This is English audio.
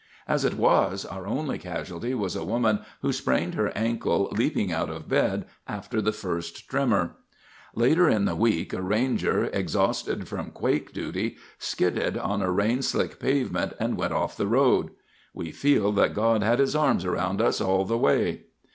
"As it was, our only casualty was a woman who sprained her ankle leaping out of bed after the first tremor. "Later in the week a ranger, exhausted from quake duty, skidded on a rain slick pavement and went off the road. "We feel that God had his arm around us all the way."